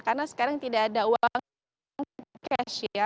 karena sekarang tidak ada uang cash ya